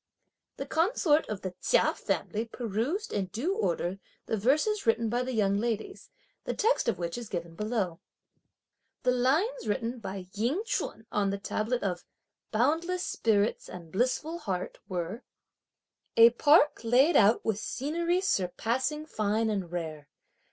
The consort of the Chia family perused in due order the verses written by the young ladies, the text of which is given below. The lines written by Ying Ch'un on the tablet of "Boundless spirits and blissful heart" were: A park laid out with scenery surpassing fine and rare!